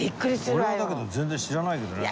俺はだけど全然知らないけどね。